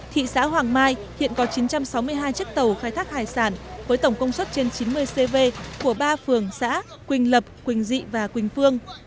thị xã hoàng mai hiện có chín trăm sáu mươi hai chiếc tàu khai thác hải sản với tổng công suất trên chín mươi cv của ba phường xã quỳnh lập quỳnh dị và quỳnh phương